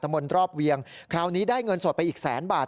มนต์รอบเวียงคราวนี้ได้เงินสดไปอีกแสนบาท